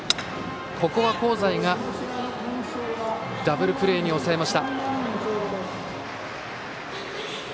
ここは香西がダブルプレーに抑えました。